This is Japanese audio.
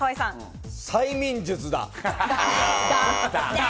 催眠術だ。